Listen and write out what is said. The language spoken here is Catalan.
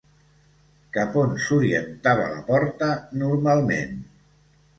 Cap on s'orientava la porta normalment?